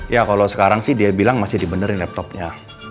ya kalo sekarang sih dia bilang masih dibenderin laptopnya